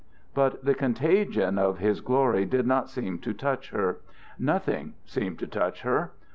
But the contagion of his glory did not seem to touch her. Nothing seemed to touch her.